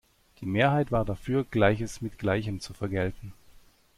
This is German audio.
Die Mehrheit war dafür, Gleiches mit Gleichem zu vergelten.